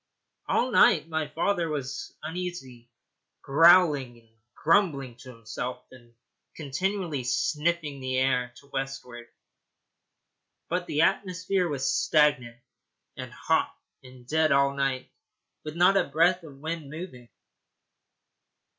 All night my father was uneasy, growling and grumbling to himself and continually sniffing the air to westward; but the atmosphere was stagnant and hot and dead all night, with not a breath of wind moving.